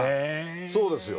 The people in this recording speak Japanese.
そうですよ。